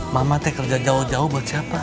mama saya kerja jauh jauh buat siapa